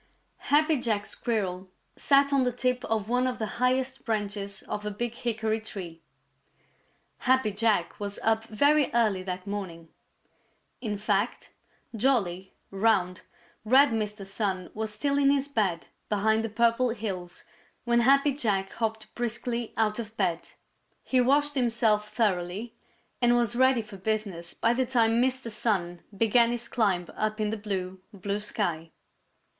_ Happy Jack Squirrel sat on the tip of one of the highest branches of a big hickory tree. Happy Jack was up very early that morning. In fact, jolly, round, red Mr. Sun was still in his bed behind the Purple Hills when Happy Jack hopped briskly out of bed. He washed himself thoroughly and was ready for business by the time Mr. Sun began his climb up in the blue, blue sky.